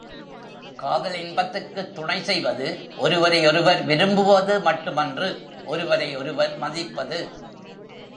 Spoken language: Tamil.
காதல் இன்பத்துக்குத் துணை செய்வது ஒருவரை ஒருவர் விரும்புவது மட்டுமன்று ஒருவரை ஒருவர் மதிப்பது.